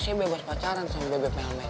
saya bebas pacaran sama bebek melmel